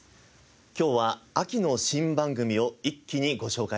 今日は秋の新番組を一気にご紹介します。